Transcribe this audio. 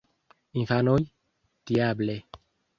Infanoj: "Diable!"